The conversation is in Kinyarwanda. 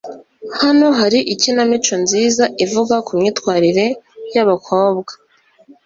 Hano hari ikinamico nziza ivuga kumyitwarire yabakobwa